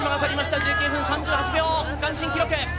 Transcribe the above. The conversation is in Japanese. １９分３８秒、区間新記録！